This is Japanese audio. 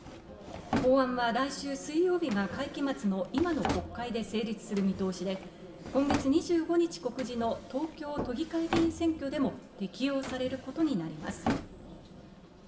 法案は来週水曜日が会期末の今の国会で成立する見通しで、今月２５日告示の東京都議会議員選挙でも適用されることになります。